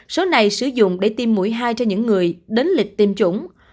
số này sử dụng để tiêm mũi hai cho những người đến lịch tiêm chủng